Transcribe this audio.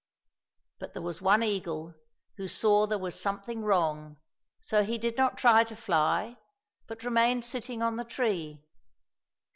But there was one eagle who saw there was something wrong, so he did not try to fly, but remained sitting on the tree.